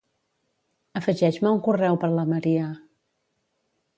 Afegeix-me un correu per la Maria.